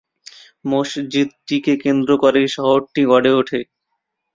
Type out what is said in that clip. মসজিদটিকে কেন্দ্র করেই শহরটি গড়ে ওঠে।